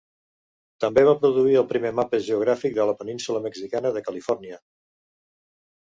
També va produir el primer mapa geogràfic de la península mexicana de Califòrnia.